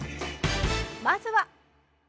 「まずは」